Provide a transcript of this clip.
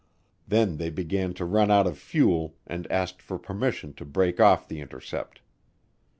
Then they began to run out of fuel and asked for permission to break off the intercept.